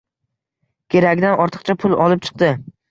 Keragidan ortiqcha pul olib chiqdi.